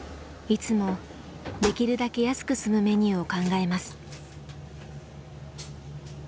いつもできるだけ安く済むメニューを考えます。